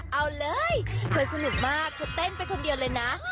เอาเลยเธอสนุกมากเธอเต้นไปคนเดียวเลยนะ